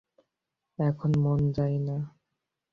এখন মন যায় না।